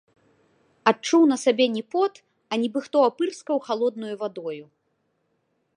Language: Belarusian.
Адчуў на сабе не пот, а нібы хто апырскаў халоднаю вадою.